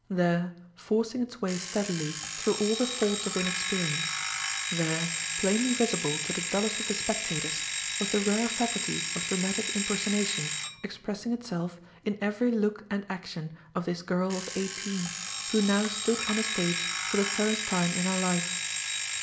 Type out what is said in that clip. There, forcing its way steadily through all the faults of inexperience—there, plainly visible to the dullest of the spectators, was the rare faculty of dramatic impersonation, expressing itself in every look and action of this girl of eighteen, who now stood on a stage for the first time in her life.